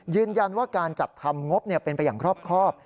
ยืนยันว่าการจัดทำงบเป็นไปอย่างครอบ